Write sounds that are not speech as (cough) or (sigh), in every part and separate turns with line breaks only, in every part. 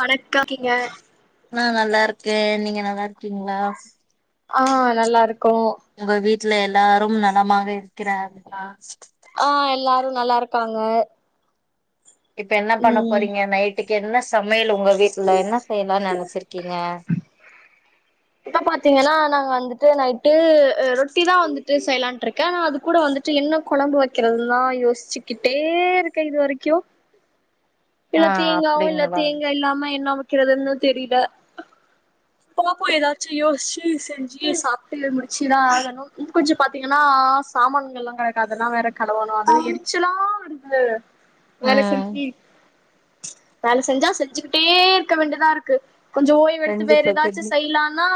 வணக்காக் கீங்க
நா நல்லா இருக்கே நீங்க நல்லா இருக்கீங்களா
ஆஹ் நல்லா இருக் கோவோ
ட்ல எல்லாரு நலமாக இருக்கிறார்களா
உ நல்லா இருக்காங்க
இப்ப என்ன பண்ண
ம்
போறீங்க நைட்டுக் என்னஸ் சமையல் உங்க வீட்ல என்ன செய்யலானு நெனச்சிருக் கீங்க
இப்ப பாத்தீங்கனா நாங்க வந்துட்டு நைட்டு ரொட்டி தா வந்துட்டு செய்யலான்ட்டு இருக்க ஆன அது கூட வந்துட்டு என்ன கொழம்பு வக்கிறது தா யோசிச்சிகிட்டே இருக்க இது வரக்கு
ஆ
இல்ல தேங்காவு இல்ல
அப்டிங்களா
தேங்கா இல்லாம என்னாவு இருதன்னு தெரில பாப்போ ஏதாச்சு யோசிச்சு செஞ்சு சாப்ட்டு முடிச்சுதா ஆகணு கொஞ்சோ பாத்தீங்கனா சாமான்கள் எல்லா கிடக்குது அதெலாம் வேற கலுவணு அத எரிச்சுலா வருது வேல
ம்
செஞ்சி வேல செஞ்சா செஞ்சுக்கிட்டே இருக்க வேண்டிதா இருக்கு கொஞ்சோ ஓய்வெடுத்து வேற்
கண்டிப்பா
எதாச்சு
கண்டி
செய்லானா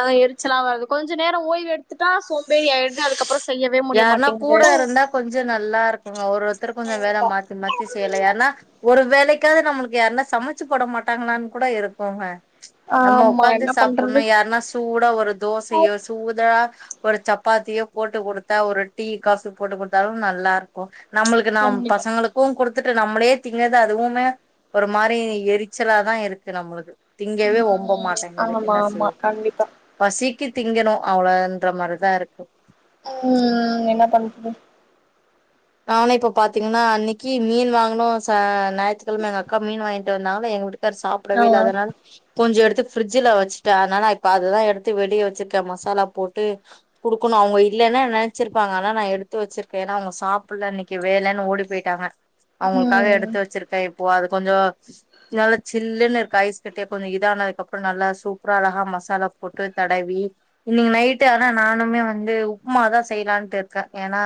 ஆ எரிச்சலா வருது கொஞ்சோ நேர ஓய்வெடுதுட்டா சோம்பேறி ஆயிடுது அதுக்கப்றோ
யாருனா கூட இருந்தா கொஞ்சோ நல்லா இருக்குங்க ஒரு ஒருத்தர் கொஞ்சோ வேல
கண்டிப்பா
மாத்தி மாத்தி செய்யலா ஏனா ஒரு வேலைக் க்காது நம்ளுக்கு யார்னா சமைச்சி போட மாட்டாங்களானு கூட இருக்குங்க நம்ம
ஆமா
உக்காந்து
என்ன பண்றது
சாப்புனு யார்னா சூடா ஒரு தோசையோ சூதா ஒரு சப்பாத்தியே போட்டு குடுத் தா ஒரு டீ காஃபி போட்டு குடுத்தாலு நல்லாருக்கு நம்ளுக்கு நாம்
கண்டிப்பா
பசங்களுக்கு குடுத் டுத்துட்டு நம்மளே திங்கறது அதுவுமே ஒரு மாரி எரிச்சலாதா இருக்கு நம்ளுக்கு திங்கவே ஒம்ப
ம்
மாட்டேங்குது
ஆமா
என்ன
ஆமா
செய்ய
கண்டிப்பா
பசி க்கி திங்கணு அவ்ளோன்ற மாரிதா இருக்கு
ம் என்ன பண்ற
ஆனா இப்ப பாத்தீங்னா அன்னக்கி மீன் வாங்கனு சா நாயித்துக்கெழம எங்க அக்கா மீன் வாங்கிட் ட்டு வந்தாங்ள எங்க வூட் காரு
ஆ
சாப்டவே இல்ல அதனால கொஞ்சோ எடுத் து ஃபிரிட்ஜில வச்சுட்ட அதனால இப்ப அததா எடுத்து வெளிய வச்சிட்ட மசாலா போட்டு குடுக்கணு அவுங்க இல்லனு நெனச்சிருப்பாங்க ஆனா நா எடுத்து வச்சிருக்க ஏனா அவுங்க சாப் புல்ல அன்னக்கி வேலனு ஓடி போயிட்டாங்க அவுங்குளுக்காக
ம்
எடுத்து வச்சிருக்க இப் ப்போ அது கொஞ்சோ நல்லா சில்லுனு இருக்கு ஐஸ் கட்டிய கொஞ்சோ இதானதுக்குப்றோ நல்லா சூப்பரா அழகா மசாலா போட்டு தடவி இன்னக்கி நைட்டு ஆனா நானுமே வந்து உப்மாதா செய்யலான்ட்டு இருக்க ஏனா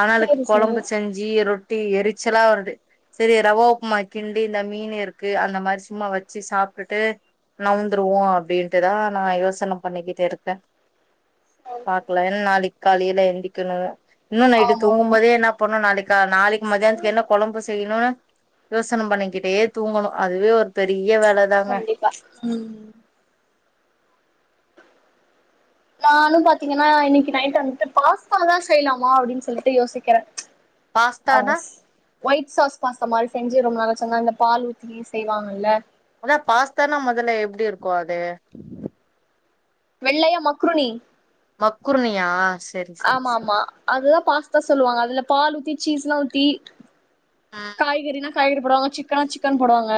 ஆனாளுக்கு
சேரி
கொழம்பு
சேரி
செஞ்சி ரொட் ரொட்டி எரிச்சலா வருது சரி ரவா உப்மா கிண்டி இந்த மீன் இருக்கு அந்த மாரி சும்மா வச்சு சாப்பிட்டுட்டு நவுந்துர்வோ அப்படின்ட்டுதா நா யோசன பண்ணிக்கிட்டு இருப்ப பாக்லா ஏனா நாளைக் காலையில எந்திக்கணு இன்னு நைட்டு
ஆமா ஆமா
தூங்கும்போதே அ நாளைக்கா நாளைக் மதியானத்துக்கு என்ன கொழம்பு செய்யணுனு யோசன பண்ணிக்கிட்டே தூங்கணு அதுவே ஒரு பெரி
கண்டிப்பா உம் நானும் பாத்தீங்கன்னா இன்னைக்கு நைட் வந்துட்டு பாஸ்தாதா செய்யலாமா அப்படின்னு சொல்லிட்டு யோசிக்கறே
பாஸ்தானா
ஒயிட் சாஸ் பாஸ்தா மாரி செஞ்சு ரொம்ப நாளாச்சு அந் மாரி இந்த பால் ஊத்தி செய்வாங்கல்ல
அதா பாஸ்தானா மொதல்ல எப்டி இருக்கு அது
வெள்ளையா மக்ருனி
மக்ருனியா
ஆமா ஆமா அதுதா பாஸ்தா சொல்லுவாங்க அதுல பால் ஊத்தி சீஸ்லா ஊத்தி
ஆ
காய்கறினா காய்கறி போடுவாங்க சிக்கனா சிக்கன் போடுவாங்க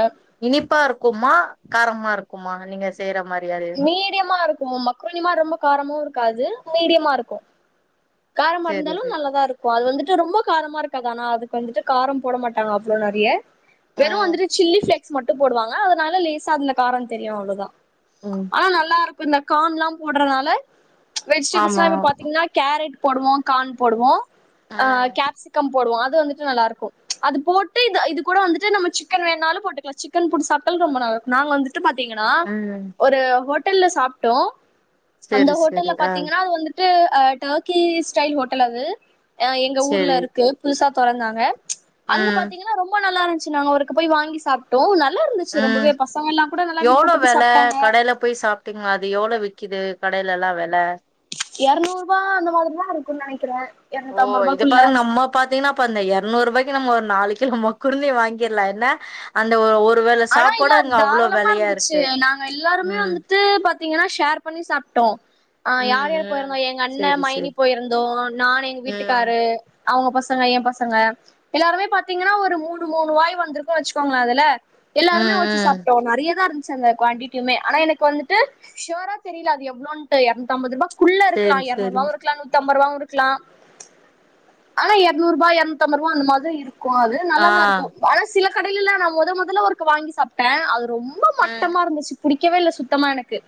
மா நீங்க செய்ற மார்
மீடியமா இருக்கும் மக்ரோனி மாரி ரொம்ப காரமும் இருக்காது மீடியமா இருக்கும் காரம
செரி
இருந்தாலும்
செரி
நல்லதா இருக்கும் அது வந்துட்டு ரொம்ப காரமா இருக்காது ஆனா அதுக்கு வந்துட்டு காரம் போட மாட்டாங்க அவ்ளோ நெறைய வெறும்
ம்
வந்துட்டு சில்லி பிளேக்ஸ் மட்டும் போடுவாங்க ஆனா அதனால லேசா அந்த காரம் தெரியு அவ்ளோதா
ம்
ஆனா நல்லா இருக்கும் இந்த கான்ல்லா போட்றனால
ஆமா
வெஜிடபுள்ஸ்ல்லா இப்ப பாத்தீங்கன்னா கேரட் போடுவோ கான் போடுவோ ஆ
ம்
கேப்சிகம் போடுவோ து வந்துட்டு நல்லா இருக்கும் அது போட்டு இது கூட வந்துட்டு நம்ப சிக்கன் வேணாலும் போட்டுக்கலா சிக்கன் போட்டு சாப்டாலு ரொம்ப நல்ல இருக்கு நாங்க வந்துட்டு து பாத்தீங்கன்னா
ம்
ஒரு ஹோட்ட ஹோட்டல்ல சாப்டோ அந்த
செரி
ஹோட்டல்ல
செரி ஆ
பாத்தீங்கன்னா அது வந்துட்டு அ டோ கி ஸ்டைல் ஹோட்டல் அது ஆஹ் எங்க ஊர்ல
செரி
இருக்கு புதுசா தொறந்தாங்க அங்க
ம்
பாத்தீங்கன்னா ரொம்ப நல்லா இருந்து சி நாங்க அவருக்கு போய் வாங்கி சாப்டோ
உம் எவ்வளோ வெல
சாப்ட்டாங்க
கடையில போய் சாப்டீங்கள அது எவ்ளோ விக்குது கடையில எல்லாம வெல
இரநூறு ரூபா அந்த மாரிதா இருக்குன்னு நெனைக்கிறே
ஓ
எரநூத்தம்பது
இத
ரூபாக்குள்ள
பாருங்க நம்ம பாத்தீங்கன்னா அப்ப அந்த இரநூறு ரூபாய்க்கு நம்ம ஒரு நாலு கிலோ நம்மோக் குருநீ வாங்கிட்லா என்ன அந்த ஒரு வேள
ஆனா இல்ல
சாப்பாடு
அது
அங்க அவ்ளோ
தாராளமா
வெலையா
இருந்துச்சு
இருக்கு
நாங்க எல்லாருமே
ம்
வந்துட்டு பாத் பாத்தீங்கன்னா ஷேர் பண்ணி சாப்டோ ஆஹ்
ம்
யார் யார்
ம்
போயிருந்தோ எங்க அண்ணே
செரி செரி
மைனி போயிருந்தோ நான் எங்க
ம்
வீட்டுக்காரு அவுங்க பசங்க எயா பசங்க எல்லாருமே பாத்தீங்கன்னா ஒரு மூணு மூணு வாய் வந்திருக்கோ வெச்சுக்கோங்களே அதுல எல்லாருமே
ம்
ஒச்சி
ம்
சாப்ட்டோ நெறைய தா இருந் ச்சி அந்த குவாண்டிட்யுமே ஆனா எனக்கு வந்துட்டு ஷ்யோரா தெரில அது எவ்ளோன்ட்டு இரண்த்தம்பது ருபா குள்ள இருக்லா
செரி செரி
எரநூருபாவு இருக்லா நூத்தம்பருவாவு இருக் க்லா ஆனா எர்நூறுருபா இரண்த்தம்ப ருபா அந்த மாதிரி இருக்கு அது நல்லாதா
ஆ
இருக்கு மனசில கடயில்லா நா மொத மொ துல ஒருக்க வாங்கி சாப்பிட்டே அது ரொம்ப
ஆ
மட்டமா இருந்துச்சு புிடி க்கவே இல்ல சுத்தமா எனக்கு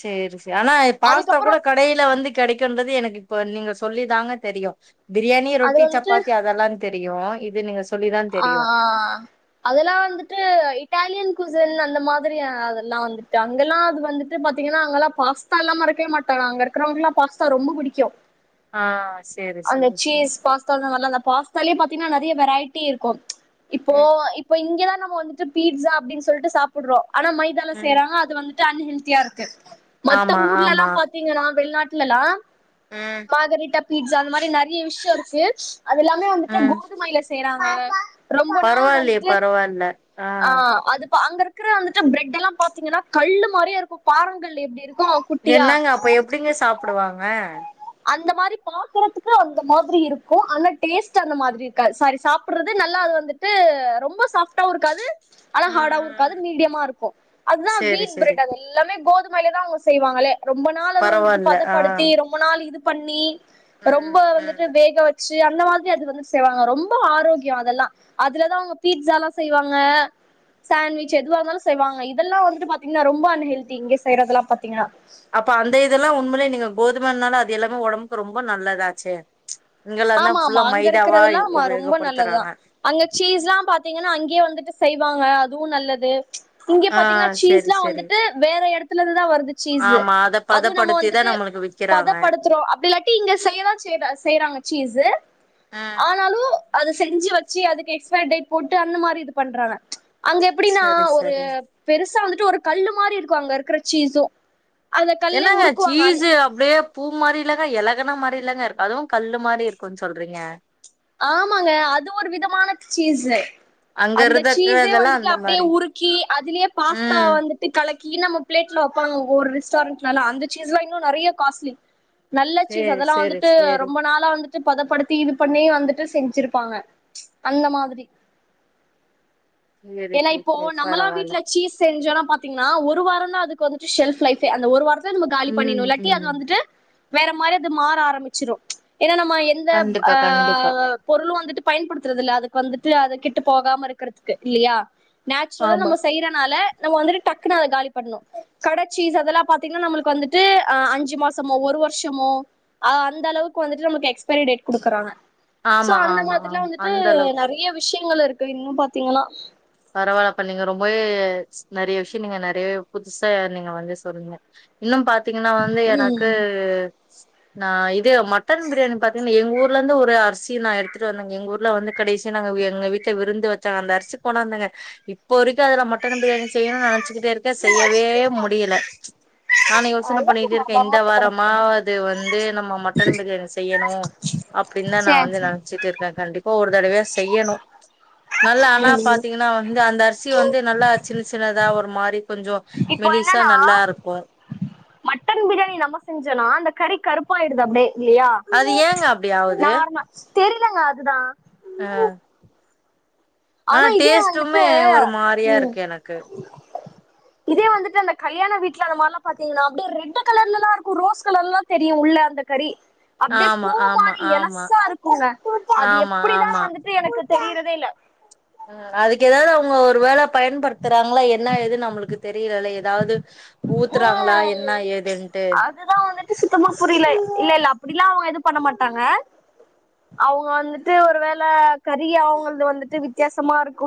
செரி செரி ஆனா பாஸ்தா
அதுக்கப்புறோ
கூட கடையில வந்து கெடைக்குன்றது எனக்கு இப்ப நீங்க சொல்லி தாங்க தெரியு பிரியாணி
அது
ரொட்டி சப்பாத்தி அதெல்லா தெரியு இது நீங்க சொல்லிதா தெரியு
ஆஹ் ஆஹ் அதெல்லா வந்துட்டு இட்டாலியன் குசன் அந்த மாரி அதெல்லா வந்துட்டு அங்கெல்லா அது வந்துட்டு பாத்தீங்கன்னா அங்கெல்லா பாஸ்தா எல்லா இருக்கவே மாட்டாங்க அங்க இருகறவங்க எல்லா பாஸ்தா ரொம்ப பிடிக்கு
ஆ சேரி
அந்த
சேரி சேரி
சீஸ் பாஸ்தாவா அந்த பாஸ் தலைய பாத்தீங்கன்னா நெற வெரைட் ட்டி இருக்கும் இப்போ
ம்
இப்போ இங்கதா நம்ம வந்துட்டு பீட்ஸா அப்படனு சொல்ட்டு சாப்பிடுறோ ஆனா மைதால
ம்
செய்யறாங்க அது வந்துட்டு அன்ஹெல்தியா இருக்கு மத்த
ஆமா
ஊர்ல எல்லா
ஆமா
பாத்தீங்கன்னா வெளிநாட்டு இல்லலா
ம்
மாதிரிட்டப் பீட்ஸ்சா அந்த மாரி நெறைய விஷயோ இருக்கு அது எல்லாமே வந்துட்டு கோதுமையில நாங்க
பரவாயில்யே பரவாயில்ல ஆஹ்
இப்ப அங்க இருக்கிற வந்துட்டு பிரெட் எல்லா பாத்தீங்கன்னா கல்லு மாரிய இருக்கு பாரங்கல் எப்டி இரு
என்னங்க அப்ப எப்படிங்க சாப்ப சாபிடுவாங்க
அந்த மாரி பாக்கறதுக்கு அந்த மாரி இருக்கு ஆனா டேஸ்ட் அந்த மாரி இருக்காது சாரி சாப்பிடுறது நல்லா அது வந்துட்டு ரொம்ப சாஃப்டாவவு இருக்காது ஆனா ஹார்டாவு இருக்காது மீடியமா இருக்கு அதுதா
சேரி
வீட்
சேரி
பிரட் அது எல்லாமே கோதுமை (unintelligible) மேலேதா அவங்க செய்வாங்லே ரொம்ப நாள் அத வந்துட்டு
பரவாயில்ல ஆ
பதப்படுத்தி ரொம்ப நாள் இது பண்ணி ரொம்ப
ம் ம்
வந்துட்டு வேக வச்சு சி அந்த மாதிரி அது வந்து செய்வாக ரொம்பொ ஆரோக்யொ அதெல்லா அதுலதா அவங்க பீட்ஸாலா செய்வாங்க சேண்ட்விச் எதுவா இருந்தாலு செய்வாங்க இதெல்லாம் வந்துட்டு பாத்திங்னா ரொம்ப அன்ஹெல்தி இங்க செய்யறதுலா பாத்
அப்ப அந்த இதெல்லா உண்மலே நீங்க கோது மனால அது எல்லாமே ஒடம்புக்கு ரொம்ப நல்லதாச்சே இங்கெல்லா தா
ஆமா ஆமா
ஃபுல்லா
அங்க
மைதாவா
இருக்றதெல்லா ஆமா ரொம்ப நல்லதுதா
உபயோகப்படுத்துறாங்க
அங்க சீஸ்லா பாத்திங்கனா அங்யே வந்துட்டு செய்வாங்க அதுவு நல்லது இங்க
ஆ
பாத்திங்னா
செரி
சீஸ்லா
செரி
வந்துட்டு வேற எடத்துலருந்துதா வருது சீஸ்ஸு
ஆமா அத
அதுவு நம்ம
பதப்படுத்திதா
வந்துட்டு
நம்மளுக்கு விக்கிறாங்க
பதப்படுத்துறோ அப்டி இல்லாட்டி இங்க செய்யதா செய்ற செய்யறாங்க சீஸ்ஸு
ஆ
ஆனாலு அத செஞ்சு வச்சு அதுக்கு எக்ஸ்பயர் டேட் போட்டு அந்த மாரி இது பண்றாங்க அங்க எப்டின்னா
சரி
ஒரு
சரி
பெருசா வந்துட்டு ஒரு கல்லு மாரி இருக்கு அங்க இருக்ற சீஸு அத கல்லே
என்னாங்க
உருக்குவாங்க அந்
சீஸு அப்டியே பூ மாரி இல்லங்க இலகுனா மாரி இல்லங்க இருக்கு அதுவு கல்லு மாரி இருக்கு சொல்றிங்க
ஆமாங்க அது ஒரு விதமான சீஸ்
அங்க
அந்த சீஸே
இருந்துக்குறதெல்லா
வந்துட்டு
அந்த
அப்படியே
மாரி
உருக்கி அதுலயே பாஸ்தா
ம்
வந்துட்டு கலக்கி நம்ம பிளேட்ல வெப்பாங்க ஒரு ரெஸ்டாரண்ட்ல எல்லா அந்த சீஸ்லா இன்னு நெறைய காஸ்ட்லி நல்ல சீஸ்
சேரி
அதெல்லா
சேரி
வந்துட்டு
சேரி
ரொம்ப நாளா வந் (unintelligible) பதப்படுத்தி இது பண்ணி வந் துட்டு செஞ்சிருப்பாங்க அந்த மாதிரி
சேரி
ஏனா
சேரி
இப்போ
சேரி
நம்மல்லா
பரவால்ல
வீட்டுல சீஸ் செஞ்சோம்னா பாத்தீங்கன்னா ஒரு வாரந்தா அது வந்துட்டு செஷல்ப் லைப்பே அந்த ஒரு வார நம்ம காலி பண்ணிருணு
ம்
இல்லாட்டி அது
ம்
வந்துட்டு வேற மாரி அது மாற ஆரம்பிச்சிரு ஏனா நம்ம எந்தப்
கண்டிப்பா
அ
கண்டிப்பா
பொருளு வந்துட்டு பயன்படுதுறது இல்ல அதுக்கு வந்துட்டு அதுகிட்டு போகாம இருக்கறதுக்கு இல்லியா நேச்சுரலா
ஆமா
நம்ம செய்றனால நம்ம வந்துட்டு டக்குனு அத காலி பண்ணு கடச்சீஸ் அதெல்லா பாத்தீங்னா நம்ளுக் வந்துட்டு அஹ் அஞ்சு மாசமோ ஒரு வருஷ்சமோ அ அந்த அளவுக் வந்துட்டு நம்ளுக்கு எக்ஸ்பைரி டேட் குடுக்குறாங்க சோ
ஆமா
அந்த
ஆமா
மாதிரிலா
ஆமா
வந்துட்டு
அந்த அளவுக்கு
நெறய விஷ்ய ங்கள் இருக்கு இன்னு பாத்தீங்கன்னா
பரவால்லப்ப நீங்க ரொம்பவே நெறய விஷ்ய நீங்க நெறய புதுசா நீங்க வந்து சொன்னிங்க இன்னு பாத் திங்ன்னா வந்து எனக்கு
ம்
நா இப் இது மட்டன் பிரியாணி பாத்தீங்னா எங்க ஊர் ஊர்லந்து ஒரு அரிசி நா எடுத்துட்டு வந்தங்க எங்க ஊர்ல வந்து கடைசிய நாங்க எங்க வீட்ல விருந்து வச்சாங்க அந்த அரிசிக் கொண்டாந்தங்க இப்ப வரிக்கும் அதுல மட்டன் பிரியாணி செய்யணுனு நெனச் நெனச்சுகிட்டே இருக்க செய்யவே முடில ச்சு நா யோசன பண்ணிட்டு இருக்க இந்த
பம்மட்ட
வாரமா
படத்துக்குதா
அது வந்து நம்ம மட்டன் பிரியாணி செய்யணும் அப்டினா நா
சேர்
வந்து
சேர்
நெனச்சிட்ருக்க கண்டிப் இப்போ ஒரு தடவியா செய்யணும் நல்ல ஆனாப் பாத்தீங்னா வந்து அந்த அரிசி வந்து நல்லா சின்ன சின்னதா ஒரு மாறி
இப்போ என்னனா மட்டன் பிரியாணி நம்ம செஞ்சோனா அந்தக்கறி கருப் பாயிடுது அப்டே இல்லியா
அது
ச்சு
ஏங்க அப்டி
நார்ம தெரி இல்லங்க அதுதா
ஆஹ்
ஆனா
ஆஹ்
இதே வந்துட்டு
டேஸ்ட்டுமே ஒரு மாரியாருக்கு எனக்கு
இதே வந்துட்டு அந்த கல்யாண வீட்ல அந்த மாரிலா பாத்தீங்னா அப்டியே ரெட்டு கலர்லலாருக்கும் ரோஸ் கலர்லா தெரியும் உள்ள அந்த கறி அப்டியே
ஆமா
பூ
ஆமா
மாரி
ஆமா
எளசா இருக்குங்க அது
ஆமா
எப்டிதா வந்துட்டு எனக்கு தெரிறதே இல்ல
அ அதுக்கு எதாவ்து அவங்க ஒரு வேள பயன்படு த்றாங்ளா என்ன ஏதுன் நம்ளுக்கு தெரிலல்ல எ தாவ்து
அதுதா வந்துட்டு சுத்தமா புரில இல்ல இல்ல அப்டிலா அவங்க எது பண்ண மாட்டாங்க அவங்க வந்துட்டு ஒருவேள கறி அவங்ள்து வந்துட்டு வித்தியாசமாருக்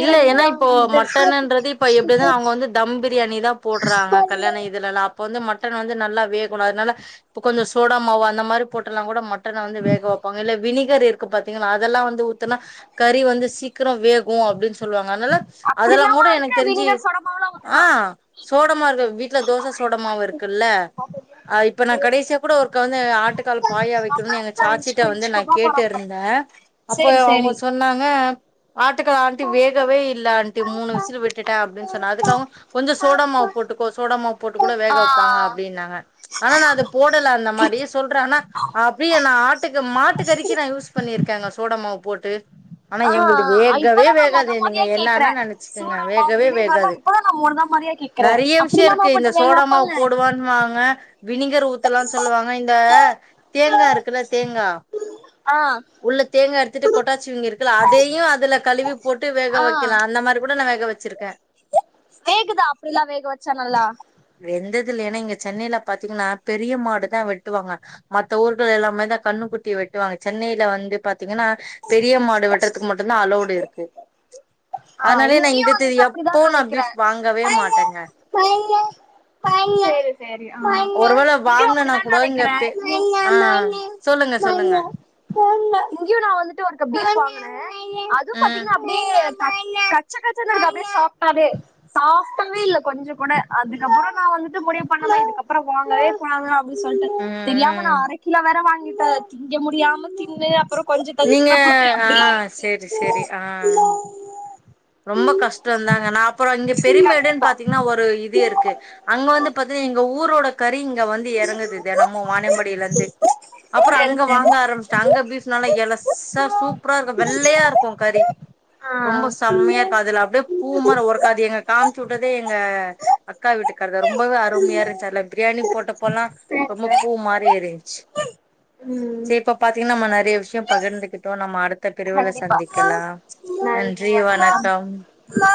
இல்ல ஏனா இப்போ மட்டனுன்றது இப்ப எப்டி இருந்தாலு அவங்க வந்து தம் பிரியாணி தா போ ட்றாங்க கல்யாண இதுலல்லா அப் ப வந்து மட்டன் வந்து நல்லா வேகணு அதுனால அப்ப கொஞ்ச சோடா மாவு அந் த மாரி போட்டெல்லா கூட மட் டன வந்து வேக வெப்பாங்க இல்ல வினிகர் இருக் க்கு பாத்தீங்கன்னா அதெல்லா வந்து ஊத்துனா கறி வந்து சீக்கரோ வே கு அப்டின் சொல்வாங்க அதுனால அதெல்லா
அப்படில்லாம
கூட
இருக்கு
எனக்கு தெரிஞ்சு
வினிகர் சோடா மாவுலா ஊத்துனா
ஆஹ் சோட மா இருக்கு வீட்ல தோச சோடா மாவு இருக்குல்ல அது இப்ப நா கடைசியா கூட ஒருக்கா வந்து ஆட்டுக்கால் பாயா வெக்கணுனு எங்க சாச்சிட்ட வந்து நா கேட்டுருந்தே அப்போ
சேரி
அவங்க
சேரி
சொன்னாங்க ஆட் டுக்கா ஆண்டி வேகவே இல்ல ஆண்டி மூணு விசில் விட்டுட்டே அப்டின் சொன்னே அதுக்கு அவுங் கொஞ்ச சோடா மாவு போட்டுக்கோ சோட மாவு போட்டு கூட வேக
ஆ
வெப்பாங்க அப்டின்னாங்க ஆனா நா அது போடல அந்த மாதி சொல்றே ஆனா அப்டியே நா ஆட்டுக்கு மாட்டு கறிக்கு நா யூஸ் பண்ணிருக் கேங்க சோட மாவு போட்டு ஆனா எங்கள்து
ஆ
வேக் கவே
இப்பதா நா மொத
வேகாது நீங்க
மொதயா கேக்குற
என்னென்ன நெனச்சுக்குங்க.
சோடா மாவு
வேகவே
வினிகர்லா
வேகாது
இப்பதா நா மொத மொதயா கேக்குற
நெறைய விஷியோ
அப்படில்லாமா
இருக்கு இந்த
போட்டு வேக
சோடமாவு
வப்பாங்க
போடுவன்வாங்க வினிகர் ஊத்தலான் சொல்லுவாங்க. இந்த தேங்கா இருக்குல்ல தேங்கா
ஆ
உள்ளத்தே த்துட்டு கொட்டாச்சிவங்க இருக்குல அதையும் அதுல கழுவி போட்டு வேக
ஆ
வைக்கலா அந்த மாதிரி கூட வேக வச்சிருக்கே
வேகுதா அப்டில்லா வேக வச்சா நல்லா
துல இங்க சென்னையில பாத்தீங்கன்னா பெரிய மாடு தான் வெட்டுவாங்க மத்த ஊர்கள் எல்லாமே தான் கண்ணுக்குட்டி வெட்டுவாங்க சென்னையில வந்து பா பத்திங்கன்னா பெரிய மாடு வட்டறத்துக்கு மட்டும்தான் அலோட
ஆஹ் இங்கயு வந்து அப்டிதா
எப்போ நா
நெனைக்கிறே
பீஃப் வாங்கவே மாட்டேங்க
செரி செரி ஆஹ்
ஒருவேள
இங்கயும்
வாங்கனனா
அப்டிதா
கூட இங்க
நினைக்கிறே
பெ ஆ சொல்லுங்க சொல்லுங்க
(unintelligible) அதுவும்
ம்
பாத்தீங்கன்னா அப்டியே கச்ச கச்சன்னக்கதே சாப்பிட்டவே சாப்பிட்டவே இல்லை. கொஞ்சோ கூட அதுக்கப்பறோ நான் வந்துட்டு முடிவு பண்ண இதுக்கப்பறோ வாங்கவே கூடாது. சொல்டே
ம்
தெரியாம
ம்
நான் அர கிலோ வேற வாங்கி இப்ப திங்க முடியாம தின்னு அப்பறோ கொஞ்சோ
நீங்க
கொஞ்சோ
ஆ சேரி சேரி ஆ
(unintelligible)
ரொம்ப கஷ்டம்ந்தாங்க. நான் அப்பறோ இங்க பெருமைடுன்னு பாத்தீங்கன்னா ஒரு இது இருக்கு அங்க வந்து பாத்தீங்கன்னா எங்க ஊரோட கரி வந்து
ஆயிடுச்சு
இறங்குது தினமு வானியம்படியில இருந்து ச் அப்பறோ
சேரி
அங்க
சேரி
வாங்க ஆரம்பச்ச அங்க பீஃப் நல்ல இலசா சூப்பரா இரு வெள்ளையா இருக்கூ கறி
ஆ
ரொம்ப ஸ் சம்மையா இருக்கது. அப்டியே பூ மாதி ஒரு (unintelligible) காம்ச்சுவுட்டதே எங்க அக்கா வீட்டுக்கர் தா ரொம்பவே அருமையா இரு பிரியாணி போட்ட
சேரி
ரொம்ப
சேரி
பூ மாரி இருறிந்துச்சு. செரி இப்ப பாத்தீங்கன்னா நம்ம நெறைய விஷயம் பகிர்ந்துகிட்டோம் நம்ம அடுத்து பிரிவிவுள சந்திக்கலா நன்
மா மா